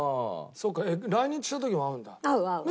そうか来日した時も会うんだ。